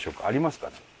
ありますかね？